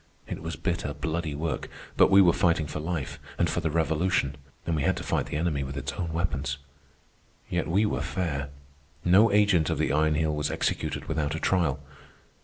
It was bitter, bloody work, but we were fighting for life and for the Revolution, and we had to fight the enemy with its own weapons. Yet we were fair. No agent of the Iron Heel was executed without a trial.